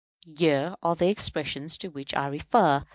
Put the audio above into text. Here are the expressions to which I refer.